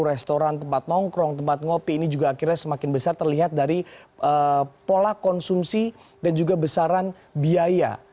restoran tempat nongkrong tempat ngopi ini juga akhirnya semakin besar terlihat dari pola konsumsi dan juga besaran biaya